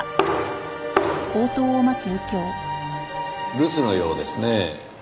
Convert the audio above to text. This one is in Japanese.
留守のようですねぇ。